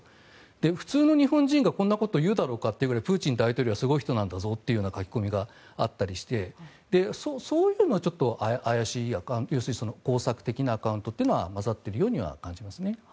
普通の日本人が、こんなことを言うだろうかというくらいプーチン大統領はすごい人なんだぞという書き込みがあったりしてそういうのは怪しい要するに、工作的なアカウントは混ざっているようには感じますね。